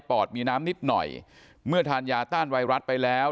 อดมีน้ำนิดหน่อยเมื่อทานยาต้านไวรัสไปแล้ว